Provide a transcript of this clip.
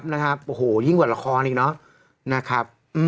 นะครับโอ้โหยิ่งกว่าละครอีกเนอะนะครับ